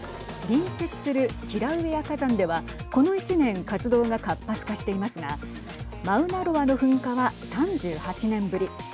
隣接するキラウエア火山ではこの１年活動が活発化していますがマウナロアの噴火は３８年ぶり。